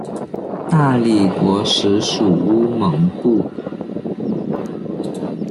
大理国时属乌蒙部。